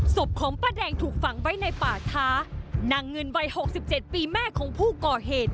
ศพของป้าแดงถูกฝังไว้ในป่าท้านางเงินวัยหกสิบเจ็ดปีแม่ของผู้ก่อเหตุ